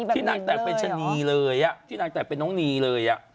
นางแต่งเป็นชะนีเลยที่นางแต่งเป็นน้องนีเลย